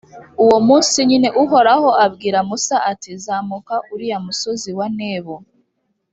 uwo munsi nyine uhoraho abwira musa ati zamuka uriya musozi wa nebo.